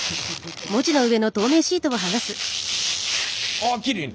あきれいに！